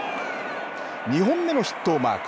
２本目のヒットをマーク。